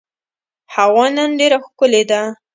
هوا نن ډېره ښکلې ده.